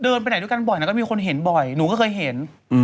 ไปไหนด้วยกันบ่อยก็มีคนเห็นบ่อยหนูก็เคยเห็น